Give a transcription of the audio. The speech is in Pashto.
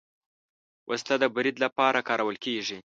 وسله د برید لپاره کارول کېږي